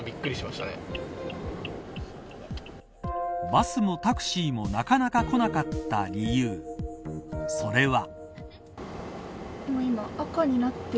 バスもタクシーもなかなか来なかった理由それは。